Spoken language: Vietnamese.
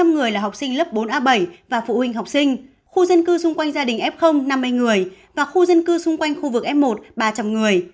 năm người là học sinh lớp bốn a bảy và phụ huynh học sinh khu dân cư xung quanh gia đình f năm mươi người và khu dân cư xung quanh khu vực f một ba trăm linh người